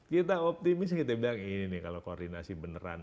kita optimis kita bilang ini nih kalau koordinasi beneran